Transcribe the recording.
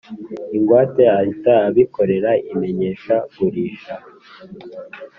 Ingwate ahita abikorera imenyeshagurisha